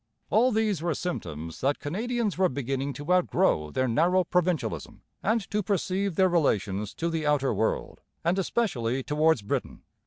All these were symptoms that Canadians were beginning to outgrow their narrow provincialism and to perceive their relations to the outer world, and especially towards Britain.